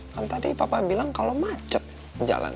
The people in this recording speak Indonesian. kan tadi papa bilang kalau macet jalan